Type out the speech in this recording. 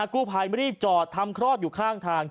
กู้ภัยไม่รีบจอดทำคลอดอยู่ข้างทาง